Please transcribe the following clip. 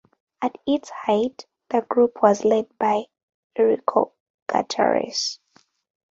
At its height, the group was led by Eurico Guterres.